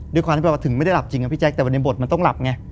ด้วยความที่แบบว่าถึงไม่ได้หลับจริงอะพี่แจ๊คแต่วันนี้บทมันต้องหลับไง